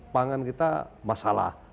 pangan kita masalah